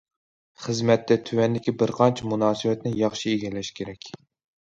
خىزمەتتە تۆۋەندىكى بىرقانچە مۇناسىۋەتنى ياخشى ئىگىلەش كېرەك.